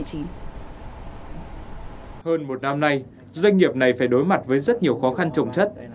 hơn một năm nay doanh nghiệp này phải đối mặt với rất nhiều khó khăn trồng chất